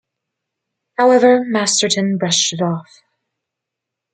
However, Masterton brushed it off.